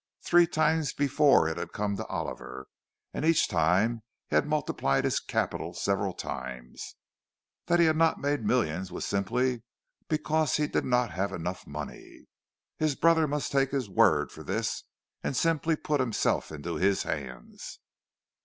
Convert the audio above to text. Three times before it had come to Oliver, and each time he had multiplied his capital several times; that he had not made millions was simply because he did not have enough money. His brother must take his word for this and simply put himself into his hands.